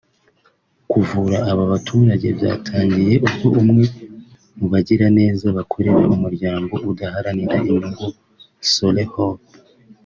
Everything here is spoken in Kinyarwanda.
Kuvura aba baturage byatangiye ubwo umwe mu bagiraneza bakorera umuryango udaharanira inyungu Sole Hope